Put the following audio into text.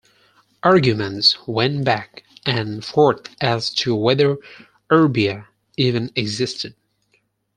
Arguments went back and forth as to whether erbia even existed.